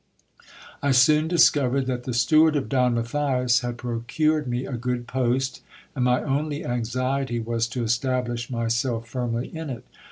I soon discovered that the steward of Don Matthias had procured me a good post, and my only anxiety was to establish myself firmly in it.